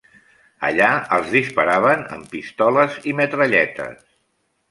Allà els disparaven amb pistoles i metralletes.